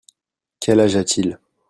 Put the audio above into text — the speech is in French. Quel âge a-t-il ?